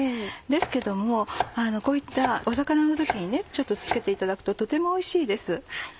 ですけどもこういった魚の時にちょっと漬けていただくととてもおいしいです。